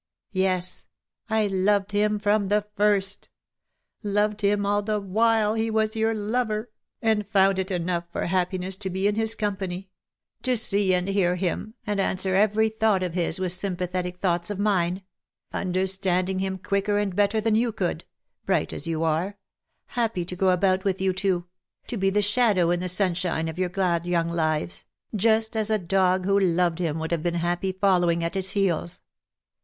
Yes ! I loved him from the first — loved him all the while he was your lover, and found it enough for happiness to be in his company — to see and hear him, and answer every thought of his with sympathetic thoughts of mine — understanding him quicker and better than you could, bright as you are — happy to go about with you two — to be the shadow in the sunshine of your glad young lives, just as a dog who loved him would have been happy following at his heels.